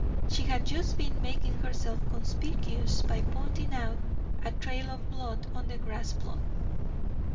She had just been making herself conspicuous by pointing out a trail of blood on the grass plot.